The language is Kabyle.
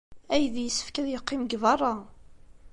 Aydi yessefk ad yeqqim deg beṛṛa!